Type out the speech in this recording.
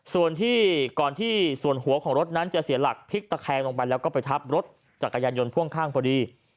ส่วนที่ก่อนที่ส่วนหัวของรถนั้นจะเสียหลักพลิกตะแคงลงไปแล้วก็ไปทับรถจักรยานยนต์พ่วงข้างพอดี